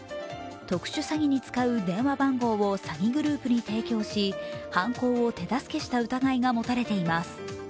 特殊詐欺に使う電話番号を詐欺グループに提供し、犯行を手助けした疑いが持たれています。